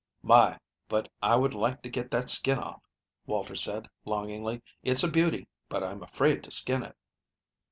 "My, but I would like to get that skin off," Walter said, longingly. "It's a beauty, but I'm afraid to skin it."